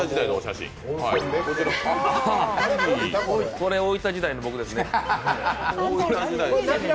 これ、大分時代の僕ですね。